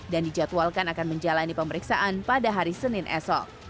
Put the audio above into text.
dan dijadwalkan akan menjalani pemeriksaan pada hari senin esok